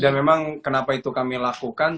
dan memang kenapa itu kami lakukan